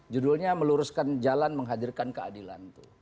judulnya meluruskan jalan menghadirkan keadilan itu